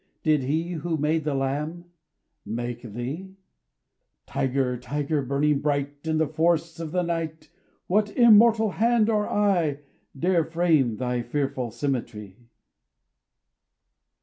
Did He who made the Lamb, make thee? RAINBOW GOLD Tiger! Tiger! burning bright, In the forests of the night, What immortal hand or eye Dare frame thy fearful symmetry?